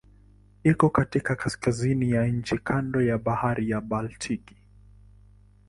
Iko katika kaskazini ya nchi kando la Bahari ya Baltiki.